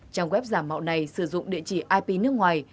trang web giả mạo này sử dụng địa chỉ ip nước ngoài